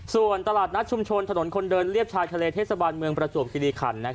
ส่วนตลาดนัดชุมชนถนนคนเดินเรียบชายทะเลเทศบาลเมืองประจวบคิริขัน